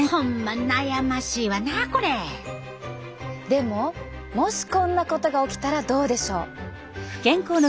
でももしこんなことが起きたらどうでしょう。